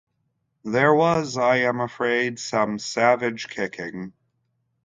There was, I am afraid, some savage kicking.